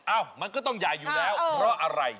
มันก็ต้องใหญ่อยู่แล้วเพราะอะไร